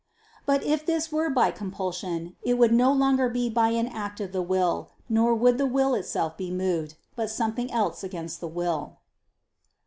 But if this were by compulsion, it would no longer be by an act of the will, nor would the will itself be moved, but something else against the will.